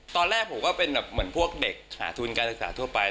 ตอนแรกผมก็เป็นแบบเหมือนพวกเด็กหาทุนการศึกษาทั่วไป